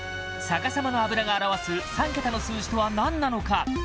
逆さまの「油」が表す３桁の数字とは何なのか？